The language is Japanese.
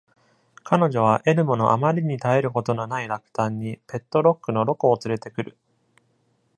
彼女は、エルモのあまりに絶えることのない落胆に、ペットロックのロコをつれてくる。